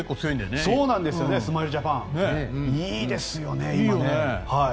いいですよね、今ね。